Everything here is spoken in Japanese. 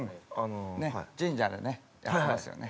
神社でねやってますよね。